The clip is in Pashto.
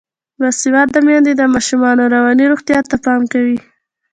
باسواده میندې د ماشومانو رواني روغتیا ته پام کوي.